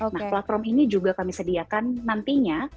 nah platform ini juga kami sediakan nantinya